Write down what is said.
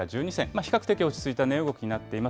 比較的落ち着いた値動きになっています。